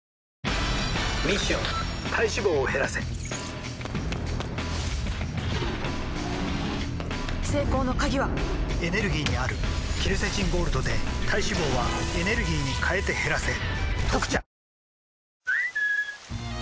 ミッション体脂肪を減らせ成功の鍵はエネルギーにあるケルセチンゴールドで体脂肪はエネルギーに変えて減らせ「特茶」